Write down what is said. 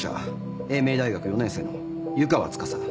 栄明大学４年生の湯川司。